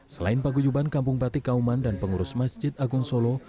selain paguyuban kampung batik kauman dan pengurus masjid agung solo